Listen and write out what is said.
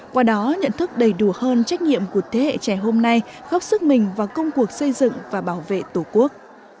qua đó nhận thức đầy đủ hơn trách nhiệm của thế hệ trẻ hôm nay góp sức mình vào công cuộc xây dựng và bảo vệ tổ quốc